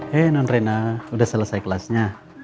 hei nonrena udah selesai kelasnya